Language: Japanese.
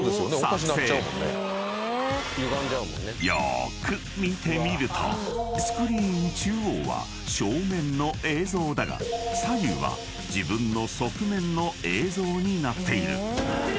［よーく見てみるとスクリーン中央は正面の映像だが左右は自分の側面の映像になっている］